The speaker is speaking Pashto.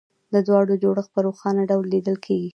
د دواړو جوړښت په روښانه ډول لیدل کېږي